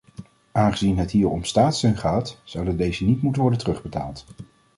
Aangezien het hier om staatssteun gaat, zou deze niet moeten worden terugbetaald.